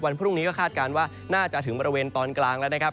พรุ่งนี้ก็คาดการณ์ว่าน่าจะถึงบริเวณตอนกลางแล้วนะครับ